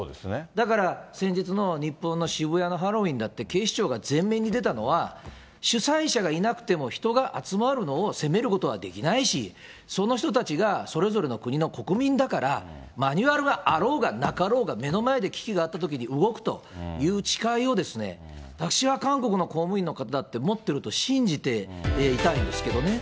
だから、先日の日本の渋谷のハロウィーンだって警視庁が前面に出たのは、主催者がいなくても人が集まるのを責めることはできないし、その人たちがそれぞれの国の国民だから、マニュアルがあろうがなかろうが、目の前で危機があったときに動くという誓いを、私は韓国の公務員の方だって持ってると信じていたいんですけどね。